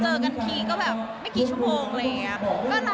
จะได้อย่างนั้นไหมประการตัว